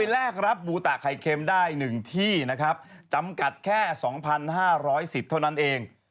แรกรับบูตะไข่เค็มได้๑ที่จำกัดแค่๒๕๐๐สิทธิ์เท่านั้นเอง